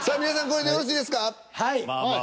これでよろしいですか？